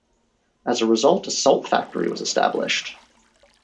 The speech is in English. As a result a salt factory was established.